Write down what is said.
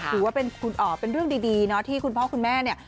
ถือว่าเป็นเรื่องดีเนาะที่คุณพ่อคุณแม่เนี่ย